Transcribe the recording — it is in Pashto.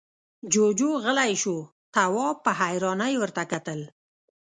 جُوجُو غلی شو، تواب په حيرانۍ ورته کتل…